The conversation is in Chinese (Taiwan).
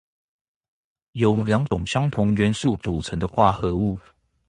由兩種相同元素組成的化合物